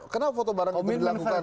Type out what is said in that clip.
kenapa foto bareng itu dilakukan